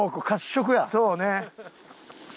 そうね。